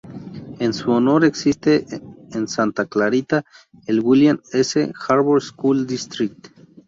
En su honor, existe en Santa Clarita el William S. Hart School District.